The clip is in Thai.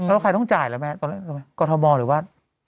แล้วใครต้องจ่ายแล้วแม่กรทบหรือว่า